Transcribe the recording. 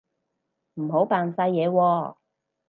唔好扮晒嘢喎